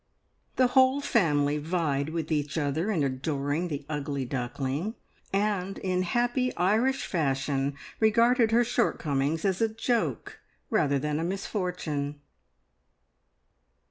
The whole family vied with each other in adoring the ugly duckling, and in happy Irish fashion regarded her shortcomings as a joke rather than a misfortune.